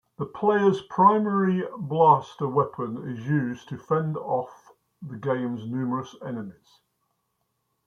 The player's primary blaster weapon is used to fend off the game's numerous enemies.